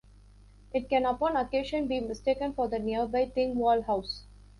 It can upon occasion be mistaken for the nearby Thingwall House.